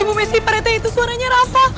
ibu messi pada itu suaranya raffa